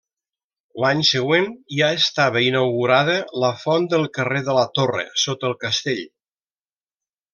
L'any següent ja estava inaugurada la font del carrer de la Torre, sota el castell.